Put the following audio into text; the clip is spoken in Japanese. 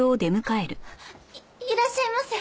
いらっしゃいませ！